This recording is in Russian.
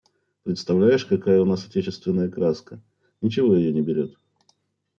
Представляешь, какая у нас отечественная краска, ничего ее не берет.